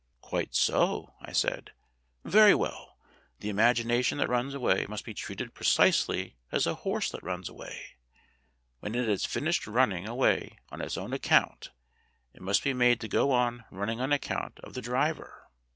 "Quite so," I said. "Very well; the imagination that runs away must be treated precisely as a horse that runs away. When it has finished running away on its own account it must be made to go on running on account of the driver."